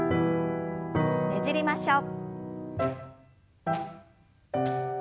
ねじりましょう。